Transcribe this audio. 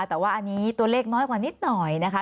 แต่ว่าอันนี้ตัวเลขน้อยกว่านิดหน่อยนะคะ